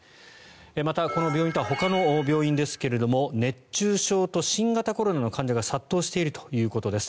また、この病院とはほかの病院ですが熱中症と新型コロナの患者が殺到しているということです。